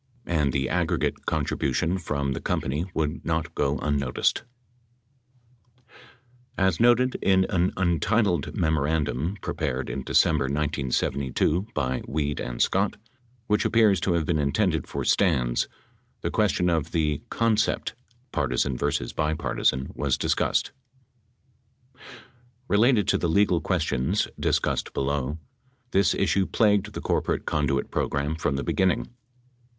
6 And the aggregate contribution from the com pany would not go unnoticed. As noted in an untitled memorandum prepared in December 1972 by Weed and Scott, which appears to have been intended for Stans, the question of the "concept" — partisan versus bipartisan — was discussed : Belated to the legal questions (discussed below), this issue plagued the corporate conduit program from the beginning.